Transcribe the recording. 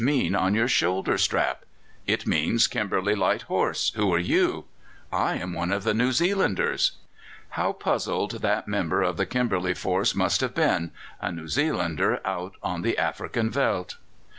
mean on your shoulder strap?' "'It means Kimberley Light Horse. Who are you?' "'I am one of the New Zealanders.'" How puzzled that member of the Kimberley force must have been a New Zealander out on the African veldt!